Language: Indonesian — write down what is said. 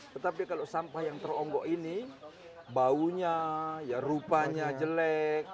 tetapi kalau sampah yang teronggok ini baunya ya rupanya jelek